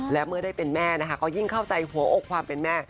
และเมื่อได้เป็นแม่นะคะก็ยิ่งเข้าใจหัวอกความเป็นแม่